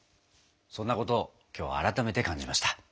そんなことを今日改めて感じました。